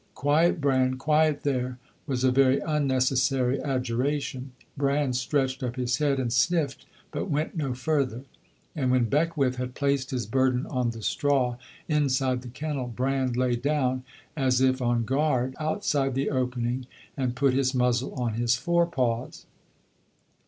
"Quiet, Bran, quiet there," was a very unnecessary adjuration. Bran stretched up his head and sniffed, but went no further; and when Beckwith had placed his burden on the straw inside the kennel, Bran lay down, as if on guard, outside the opening and put his muzzle on his forepaws.